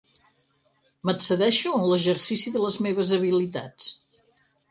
M'excedeixo en l'exercici de les meves habilitats.